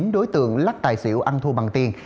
chín đối tượng lắc tài xỉu ăn thua bằng tiền